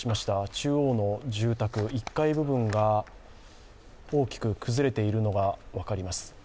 中央の住宅、１階部分が大きく崩れているのが分かります。